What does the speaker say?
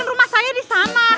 kan rumah saya di sana